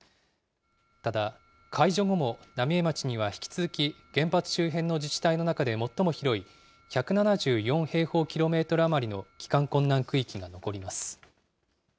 ただ、解除後も浪江町には引き続き原発周辺の自治体の中で最も広い１７４平方キロメートル余りの帰還困難区域が残ります。